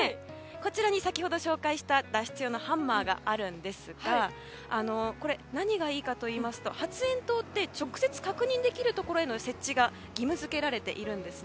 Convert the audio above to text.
こちらに先ほど紹介した脱出用のハンマーがあるんですが何がいいかといいますと発炎筒って直接確認できるところへの設置が義務付けられているんです。